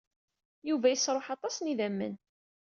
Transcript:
Yuba yesṛuḥ aṭas n yidammen.